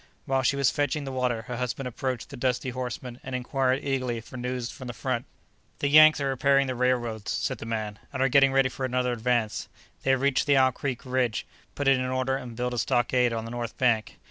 While she was fetching the water her husband approached the dusty horseman and inquired eagerly for news from the front. "The Yanks are repairing the railroads," said the man, "and are getting ready for another advance. They have reached the Owl Creek bridge, put it in order and built a stockade on the north bank.